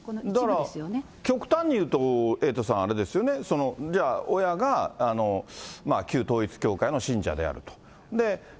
極端に言うとエイトさん、あれですよね、じゃあ親が、旧統一教会の信者であると。